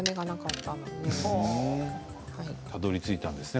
たどりついたんですね